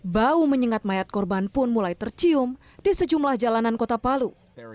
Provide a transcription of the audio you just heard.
bau menyengat mayat korban pun mulai tercium di sejumlah jalanan kota palu